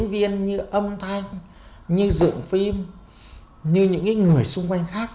viên như âm thanh như dựng phim như những người xung quanh khác